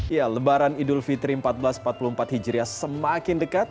ya lebaran idul fitri seribu empat ratus empat puluh empat hijriah semakin dekat